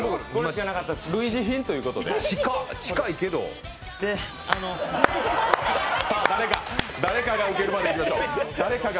類似品ということで誰かがウケるまでやりましょう。